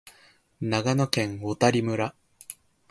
長野県小谷村